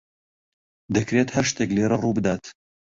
دەکرێت هەر شتێک لێرە ڕووبدات.